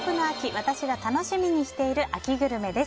私が楽しみにしている秋グルメです。